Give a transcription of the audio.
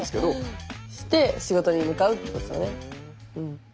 して仕事に向かうってことだね。